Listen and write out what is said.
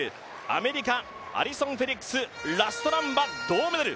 アメリカ、アリソン・フェリックス、ラストランは銅メダル。